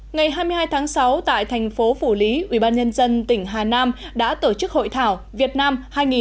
ngày hai mươi hai tháng sáu tại thành phố phủ lý ubnd tỉnh hà nam đã tổ chức hội thảo việt nam hai nghìn một mươi chín